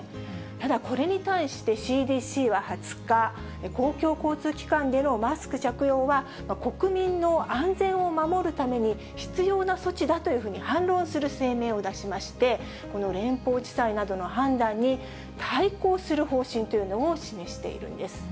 ただ、これに対して、ＣＤＣは２０日、公共交通機関でのマスク着用は、国民の安全を守るために、必要な措置だというふうに反論する声明を出しまして、この連邦地裁などの判断に、対抗する方針というのを示しているんです。